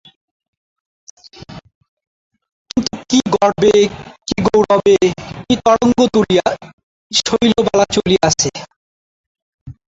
কিন্তু কী গর্বে, কী গৌরবে, কী তরঙ্গ তুলিয়া শৈলবালা চলিয়াছে।